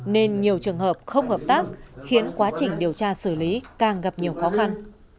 nên nhiều trường hợp không hợp tác khiến quá trình điều tra xử lý càng gặp nhiều khó khăn